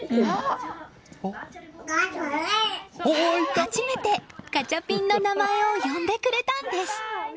初めてガチャピンの名前を呼んでくれたんです。